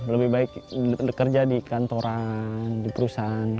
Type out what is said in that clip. lebih baik bekerja di kantoran di perusahaan